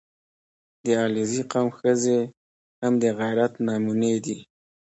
• د علیزي قوم ښځې هم د غیرت نمونې دي.